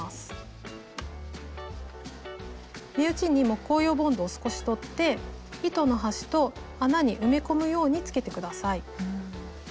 目打ちに木工用ボンドを少しとって糸の端と穴に埋め込むようにつけて下さい。